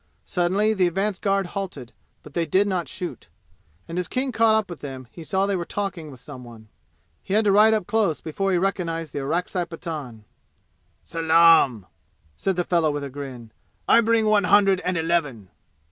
Suddenly the advance guard halted, but did not shoot. And as King caught up with them he saw they were talking with some one. He had to ride up close before he recognized the Orakzai Pathan. "Salaam!" said the fellow with a grin. "I bring one hundred and eleven!"